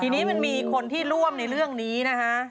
ทีนี้มันมีคนที่ร่วมในเรื่องนี้นะฮะ